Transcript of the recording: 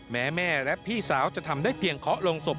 แม้แม่และพี่สาวจะทำได้เพียงขอลงศพ